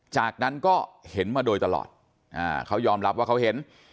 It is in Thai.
จากนั้นก็เห็นมาโดยตลอดเขายอมรับว่าเขาเห็น